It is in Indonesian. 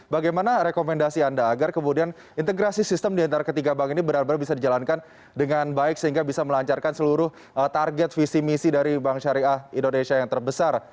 bagaimana rekomendasi anda agar kemudian integrasi sistem diantara ketiga bank ini benar benar bisa dijalankan dengan baik sehingga bisa melancarkan seluruh target visi misi dari bank syariah indonesia yang terbesar